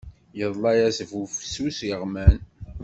Iḍla-yas bufsus yeɣman.